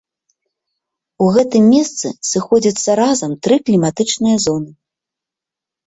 У гэтым месцы сыходзяцца разам тры кліматычныя зоны.